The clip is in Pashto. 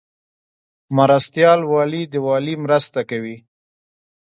مرستیال والی د والی مرسته کوي